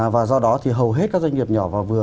và do đó thì hầu hết các doanh nghiệp nhỏ và vừa